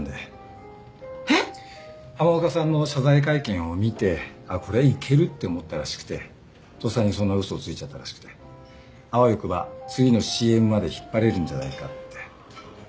浜岡さんの謝罪会見を見てあっこれいけるって思ったらしくてとっさにそんな嘘をついちゃったらしくてあわよくば次のＣＭまで引っ張れるんじゃないかって。